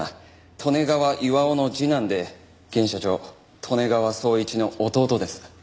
利根川巌の次男で現社長利根川宗一の弟です。